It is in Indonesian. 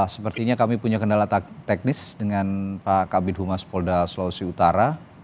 sepertinya kami punya kendala teknis dengan pak kabit humas polda sulawesi utara